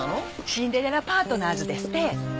シンデレラパートナーズですって。